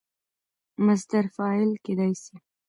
مصدر فاعل کېدای سي.